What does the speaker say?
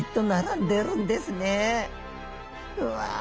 うわ！